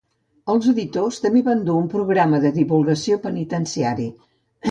Els editors també van dur un programa de divulgació penitenciari.